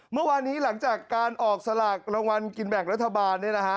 เมื่อวานนี้หลังจากการออกสลากรางวัลกินแบ่งรัฐบาล